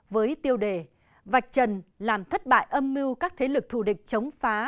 với tiêu đề vạch trần làm thất bại âm mưu các thế lực thù địch chống phá